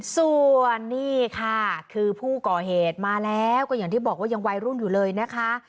ส่วนนี่ค่ะคือผู้ก่อเหตุมาแล้วก็อย่างที่บอกว่ายังวัยรุ่นอยู่เลยนะคะ